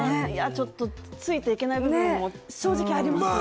ちょっとついていけない部分も正直ありますね。